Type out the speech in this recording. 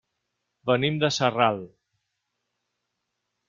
Venim de Sarral.